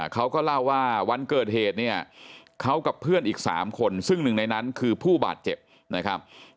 เขาก็เล่าว่าวันเกิดเหตุเนี่ยเขากับเพื่อนอีก๓คนซึ่งหนึ่งในนั้นคือผู้บาดเจ็บนะครับ